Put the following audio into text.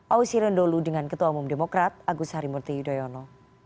ausirin dholu dengan ketua umum demokrat agus harimurti yudhoyono